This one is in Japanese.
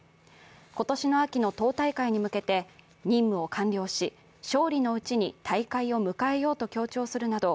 今年の秋の党大会に向けて任務を完了し、勝利のうちに大会を迎えようと強調するなど、